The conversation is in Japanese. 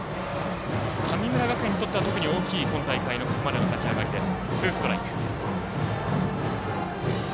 神村学園にとっては特に大きいここまでの勝ち上がりです。